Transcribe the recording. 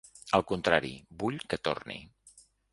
Al contrari, vull que torni.